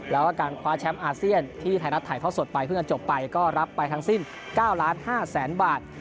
แล้วก็การคว้าแชมป์อาเซียนที่ไทยรัฐถ่ายทอดสดไปเพิ่งจะจบไปก็รับไปทั้งสิ้น๙๕๐๐๐๐บาท